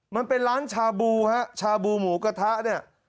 มันเป็นร้านชาบูฮะชาบูหมูกระทะเนี่ย